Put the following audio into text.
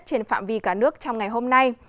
trên phạm vi cả nước trong ngày hôm nay